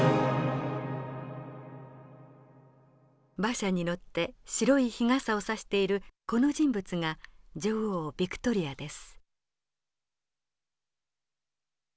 馬車に乗って白い日傘を差しているこの人物が女王ヴィクトリアです。